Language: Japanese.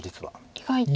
意外と。